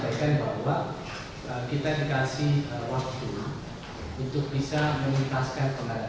saya juga tadi menyampaikan bahwa kita dikasih waktu untuk bisa menutaskan kembalian